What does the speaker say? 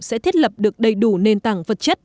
sẽ thiết lập được đầy đủ nền tảng vật chất